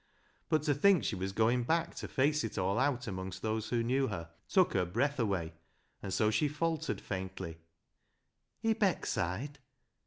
But to think she was going back to face it all out amongst those who knew her took her breath away, and so she faltered faintly —" r Beckside